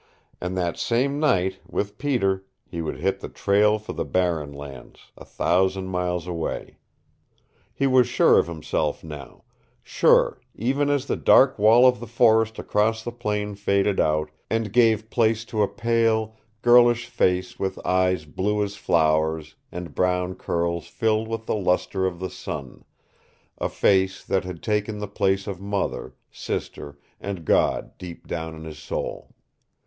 And that same night, with Peter, he would hit the trail for the Barren Lands, a thousand miles away. He was sure of himself now sure even as the dark wall of the forest across the plain faded out, and gave place to a pale, girlish face with eyes blue as flowers, and brown curls filled with the lustre of the sun a face that had taken the place of mother, sister and God deep down in his soul.